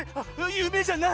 ゆめじゃない！